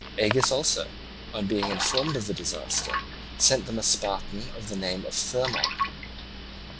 Agis also, on being informed of the disaster, sent them a Spartan of the name of Thermon.